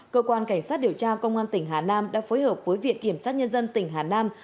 cơ quan cảnh sát điều tra công an tỉnh hà nam đã phối hợp với viện kiểm sát nhân dân tỉnh hà nam